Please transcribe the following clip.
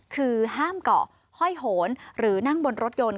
คือห้ามเกาะห้อยโหนหรือนั่งบนรถยนต์